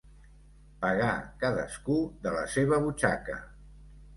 Pagar cadascú de la seva butxaca.